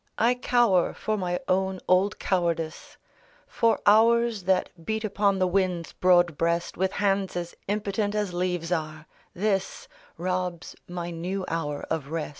I cower for my own old cowardice — For hours that beat upon the wind's broad breast With hands as impotent as leaves are: this Robs my new hour of rest.